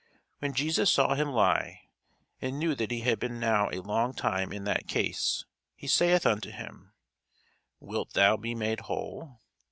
When Jesus saw him lie, and knew that he had been now a long time in that case, he saith unto him, Wilt thou be made whole?